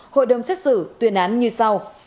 hội đồng xét xử tuyên án như sau